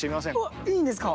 わっいいんですか。